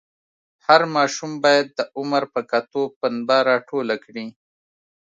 هر ماشوم باید د عمر په کتو پنبه راټوله کړي.